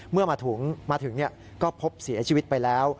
เมื่อมาถึงก็พบเสียชีวิตไปแล้ว